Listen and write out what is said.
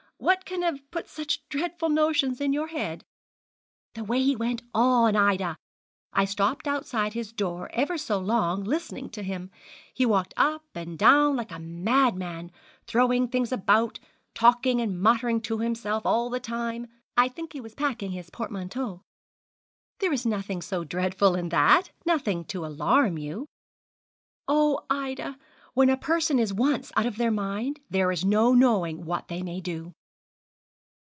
What can have put such dreadful notions in your head?' 'The way he went on, Ida. I stopped outside his door ever so long listening to him. He walked up and down like a mad man, throwing things about, talking and muttering to himself all the time. I think he was packing his portmanteau.' 'There is nothing so dreadful in that nothing to alarm you.' 'Oh! Ida, when a person is once out of their mind, there is no knowing what they may do.'